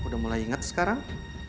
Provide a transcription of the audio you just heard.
aku udah mulai inget sekarang